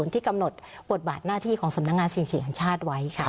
ที่กำหนดบทบาทหน้าที่ของสำนักงานสิ่งเสียแห่งชาติไว้ค่ะ